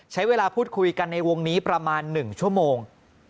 ใช้เวลาพูดคุยกันในวงนี้ประมาณ๑ชั่วโมง